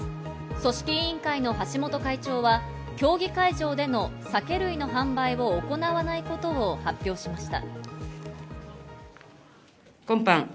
組織委員会の橋本会長は競技会場での酒類の販売を行わないことを発表しました。